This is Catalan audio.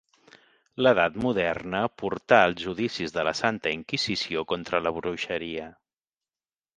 L'Edat moderna portà els judicis de la Santa Inquisició contra la bruixeria.